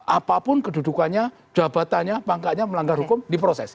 apapun kedudukannya jabatannya pangkanya melanggar hukum diproses